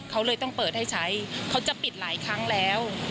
เขาเลยต้องเปิดให้ใช้เขาจะปิดหลายครั้งแล้ว